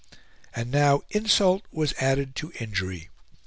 And now insult was added to injury.